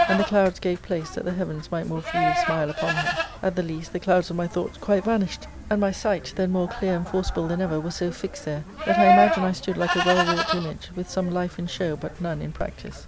— Book /♦ the clouds gave place that the heavens might more freely smile upon her ; at the leastTthe clouds of my thoughts quite vanished, and my sight, then more clear and forcible than ever, was so fixed there that I imagine I stood like a well wrought image, with some life in show but none in practice.